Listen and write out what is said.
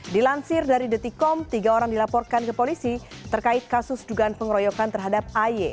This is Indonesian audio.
dilansir dari detikom tiga orang dilaporkan ke polisi terkait kasus dugaan pengeroyokan terhadap ay